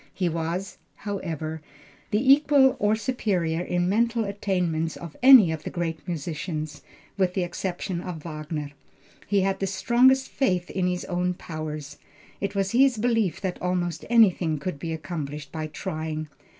He was, however, the equal or superior in mental attainments of any of the great musicians, with the exception of Wagner. He had the strongest faith in his own powers. It was his belief that almost anything could be accomplished by trying.